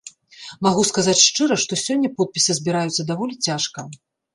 Магу сказаць шчыра, што сёння подпісы збіраюцца даволі цяжка.